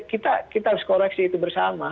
kita harus koreksi itu bersama